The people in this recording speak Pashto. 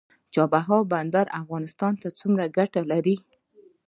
چابهار بندر افغانستان ته څومره ګټه لري؟